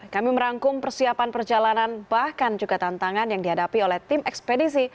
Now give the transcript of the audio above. kami merangkum persiapan perjalanan bahkan juga tantangan yang dihadapi oleh tim ekspedisi